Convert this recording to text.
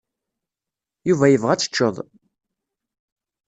Yuba yebɣa ad teččeḍ.